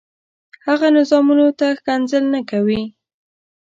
هغه نظامونو ته ښکنځل نه کوي.